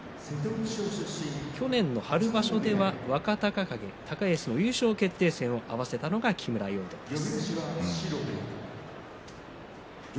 去年の春場所では若隆景、高安の優勝決定戦を合わせたのが木村容堂です。